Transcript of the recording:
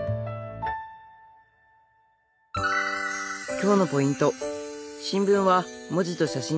今日のポイント